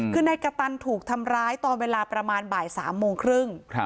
คือนายกระตันถูกทำร้ายตอนเวลาประมาณบ่าย๓โมงครึ่ง